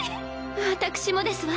私もですわ。